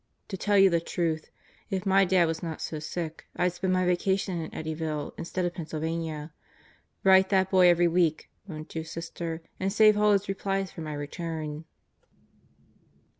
To tell you the truth, if my dad was not so sick, I'd spend my vacation in Eddyville, instead of Pennsylvania. Write that boy every week, won't you, Sister; and save all his replies for my return."